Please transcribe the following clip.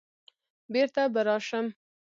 بېرته به راشم